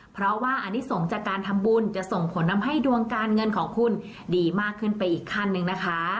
เพราะว่าอนิสงฆ์จากการทำบุญจะส่งผลทำให้ดวงการเงินของคุณดีมากขึ้นไปอีกขั้นหนึ่งนะคะ